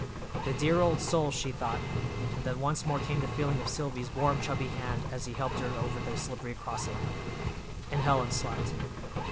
The dear old soul—she thought, and then once more came the feeling of Silvy's warm, chubby hand as he helped her over the slippery crossing—and Helen slept.